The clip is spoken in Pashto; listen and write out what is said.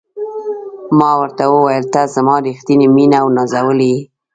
ما ورته وویل: ته زما ریښتینې مینه او نازولې یې.